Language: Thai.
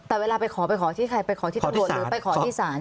แต่เวลาไปขอไปขอที่ใครไปขอที่ตำรวจหรือไปขอที่ศาล